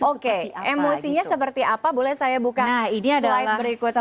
oke emosinya seperti apa boleh saya buka slide berikutnya